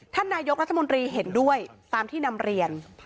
ท่านนายกรัฐมนตรีเห็นด้วยตามที่นำเรียน